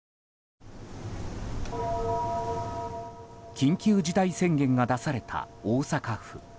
緊急事態宣言が出された大阪府。